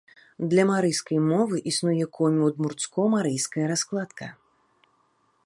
Для марыйскай мовы існуе комі-удмурцко-марыйская раскладка.